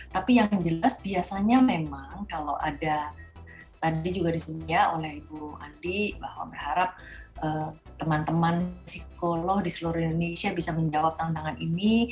tapi yang jelas biasanya memang kalau ada tadi juga disebutnya oleh ibu andi bahwa berharap teman teman psikolog di seluruh indonesia bisa menjawab tantangan ini